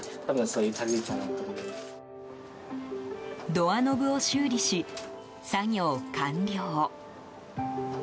ドアノブを修理し、作業完了。